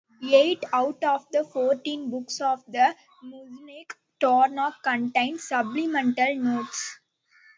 Eight out of the fourteen books of the Mishneh Torah contain supplemental notes.